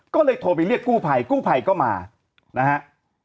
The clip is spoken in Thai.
ก็เลยโทรไปเรียกกู้ภัยกู้ภัยก็มานะฮะ